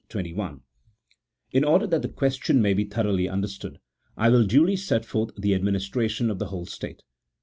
1 In order that the question may be thoroughly understood, I will duly set forth the administration of the whole state.